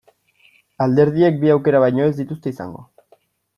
Alderdiek bi aukera baino ez dituzte izango.